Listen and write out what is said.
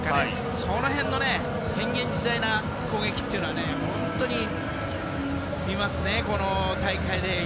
その辺の変幻自在な攻撃というのは本当に見ますね、大会で。